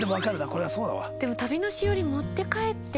これはそうだわ。